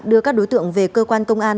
đưa các đối tượng về cơ quan công an